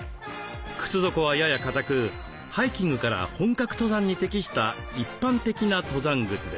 靴底はやや硬くハイキングから本格登山に適した一般的な登山靴です。